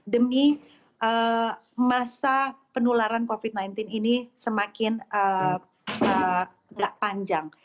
demi masa penularan covid sembilan belas ini semakin tidak panjang